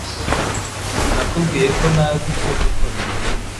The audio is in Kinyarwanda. Nakubwiye ko ntazi icyo gukora